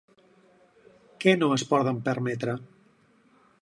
Què no es poden permetre?